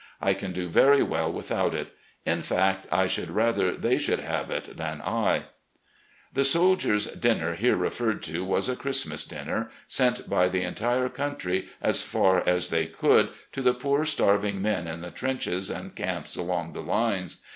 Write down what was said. I can do very well without it. In fact, I should rather they should have it than I. ..." The soldiers' " dinner" here referred to was a Christmas dinner, sent by the entire country, as far as they could, to the poor starving men in the trenches and camps along the lines.